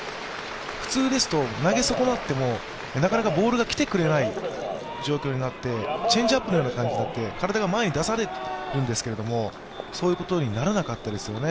普通ですと投げ損なっても、なかなかボールが来てくれない状況になって、チェンジアップのような形になって、体が前に出されるんですけど、そういうことにならなかったですよね。